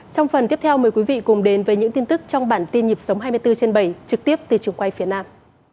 trong phần tiếp theo mời quý vị cùng đến với những tin tức trong bản tin nhịp sống hai mươi bốn trên bảy trực tiếp từ trường quay phía nam